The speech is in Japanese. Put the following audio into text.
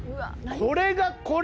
これが、これ⁉」。